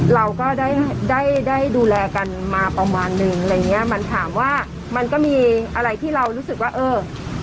เราก็ได้ได้ดูแลกันมาประมาณนึงอะไรอย่างเงี้ยมันถามว่ามันก็มีอะไรที่เรารู้สึกว่าเออ